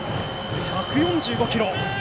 １４５キロ！